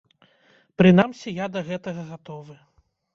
Прынамсі я да гэтага гатовы.